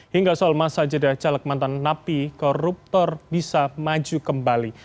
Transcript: hingga soal masa jeda caleg mantan napi koruptor bisa maju kembali